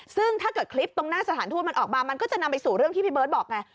ซึ่งถ้าเกิดคลิปตรงหน้าสถานทูตมันออกมามันก็จะนำไปสู่เรื่องที่พี่เบิร์ตบอกไง